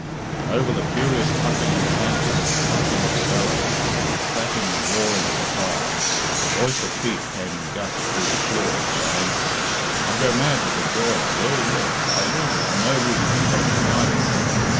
And over the furious puffing and panting and quacking of the bellows and the cracking and roaring of the fire, the voice of Pete came in gusts through the floor, crying, "I'll go mad with the joy! I will; yes, I will, and nobody shall stop me neither."